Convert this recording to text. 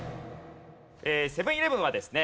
セブン−イレブンはですね